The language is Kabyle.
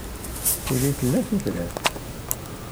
Tili tella tifrat.